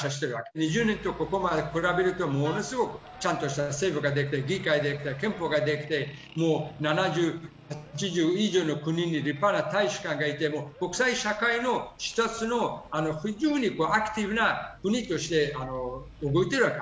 ２０年とここまで比べると、ものすごくちゃんとした政府が出来て、議会が出来て、憲法が出来て、もう７０、８０以上の国に立派な大使館がいて、もう国際社会の一つの非常にアクティブな国として動いてるわけ。